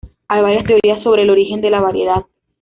Hay varias teorías sobre el origen de la variedad.